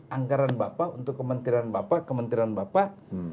anggaran bapak untuk kementerian bapak kementerian bapak